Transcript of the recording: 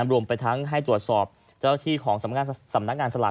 รวมไปทั้งให้ตรวจสอบเจ้าที่ของสำนักงานสลาก